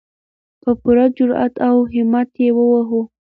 په پوره جرئت او همت یې ووهو.